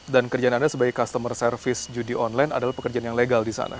dan kerjaan anda sebagai customer service judi online adalah pekerjaan yang legal di sana